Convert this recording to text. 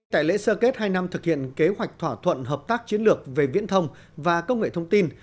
tại lễ sơ kết hai năm thực hiện kế hoạch thỏa thuận hợp tác chiến lược về viễn thông và công nghệ thông tin